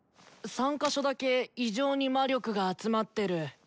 ３か所だけ異常に魔力が集まってる。